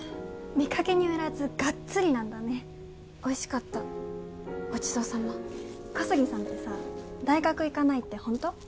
見かけによらずガッツリなんだねおいしかったごちそうさま小杉さんってさ大学行かないってホント？